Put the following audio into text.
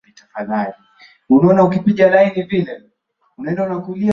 ili kuingia katika eneo la Mkwawa Hapo maafisa wa jeshi la Wajerumani waliolinda mpaka